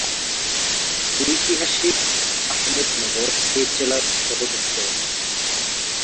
ঐতিহাসিক আহমেদনগর এ জেলার সদরদপ্তর।